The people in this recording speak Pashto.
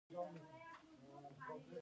د افغانستان تاریخ پنځه زره کلن دی